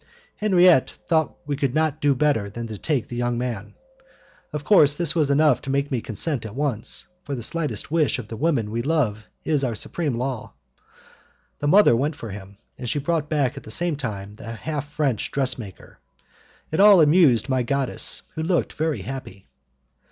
Henriette thought we could not do better than take the young man. Of course that was enough to make me consent at once, for the slightest wish of the woman we love is our supreme law. The mother went for him, and she brought back at the same time the half French dressmaker. It all amused my goddess, who looked very happy.